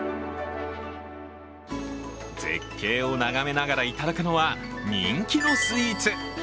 絶景を眺めながら頂くのは人気のスイーツ。